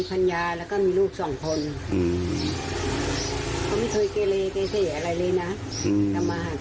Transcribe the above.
จำมาหากคือขยันแข็ง